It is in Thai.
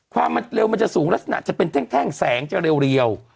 ความเร็วมันจะสูงลักษณะจะเป็นแท่งแสงจะเร็ว